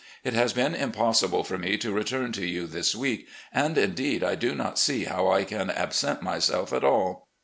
It has been impossible for me to return to you this week, and, indeed, I do not see how I can absent myself at all.